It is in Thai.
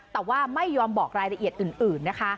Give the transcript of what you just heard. แต่ว่าไม่ยอมบอกรายละเอียดอื่นนะคะ